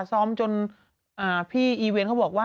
ซ้อมโอบมากจนพี่เอเวนต์เขาบอกว่า